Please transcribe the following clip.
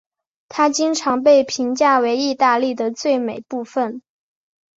它经常被评价为意大利的最美丽的部分。